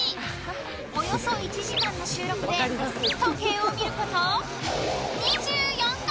およそ１時間の収録で時計を見ること２４回！